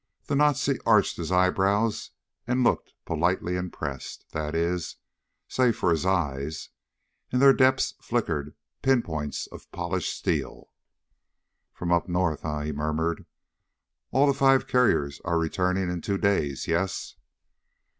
The Nazi arched his eyebrows and looked politely impressed. That is, save for his eyes. In their depths flickered pin points of polished steel. "From up north, eh?" he murmured. "All the five carriers are returning in two days, yes?"